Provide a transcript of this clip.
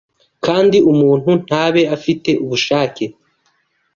kandi umuntu ntabe afite ubushake